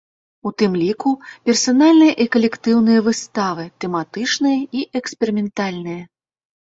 У тым ліку персанальныя і калектыўныя выставы, тэматычныя і эксперыментальныя.